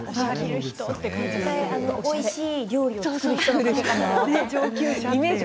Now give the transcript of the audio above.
おいしい料理を作る人みたい。